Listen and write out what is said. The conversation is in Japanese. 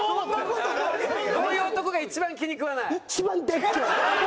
こういう男が一番気に食わない？